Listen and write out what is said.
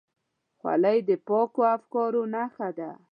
خولۍ د پاکو افکارو نښه ده.